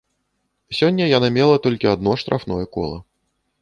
Сёння яна мела толькі адно штрафное кола.